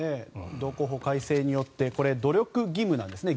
道交法改正によってこれ、努力義務なんですね。